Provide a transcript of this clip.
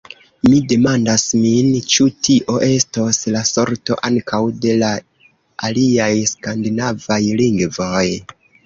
Mi demandas min, ĉu tio estos la sorto ankaŭ de la aliaj skandinavaj lingvoj.